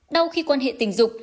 đau khi quan hệ tình dục